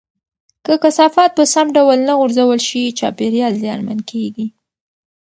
که کثافات په سم ډول نه غورځول شي، چاپیریال زیانمن کېږي.